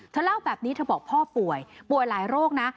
เล่าแบบนี้เธอบอกพ่อป่วยป่วยหลายโรคนะ